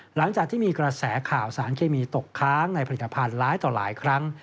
หลังจากที่มีกระแสข่าวสารเคมีตกค้างในผลิตภัณฑ์ร้ายต่อหลายครั้ง